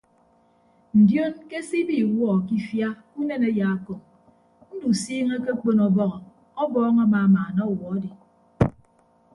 Ndion ke se ibi iwuọ ke ifia ke unen ayaakọñ ndusiiñe akekpon ọbọhọ ọbọọñ amamaana ọwuọ adi.